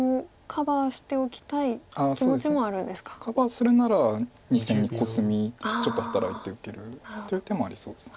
カバーするなら２線にコスミちょっと働いて受けるという手もありそうです。